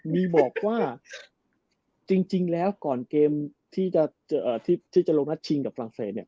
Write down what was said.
มีบอกว่าจริงแล้วก่อนเกมที่จะลงนัดชิงกับฝรั่งเศสเนี่ย